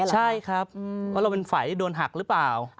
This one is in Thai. ใช่ครับว่าเราเป็นฝ่ายที่โดนหักหรือเปล่า